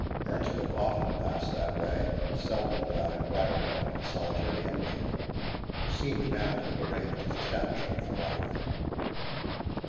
Earnscliff often passed that way, and seldom without enquiring after the solitary inmate, who seemed now to have arranged his establishment for life.